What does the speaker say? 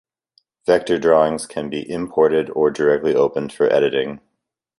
Vector drawings can be imported or directly opened for editing.